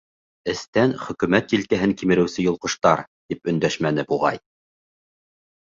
Эстән, хөкүмәт елкәһен кимереүсе йолҡоштар, тип өндәшмәне, буғай.